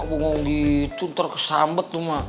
gue ngomong gitu ntar kesambet tuh ma